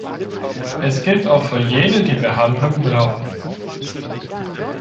Das gilt auch für jene, die Behandlung brauchen.